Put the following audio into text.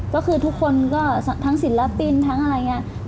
ก็คือทุกคนก็ทั้งศิลปินทั้งอะไรอย่างนี้